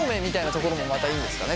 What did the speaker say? ところもまたいいんですかね。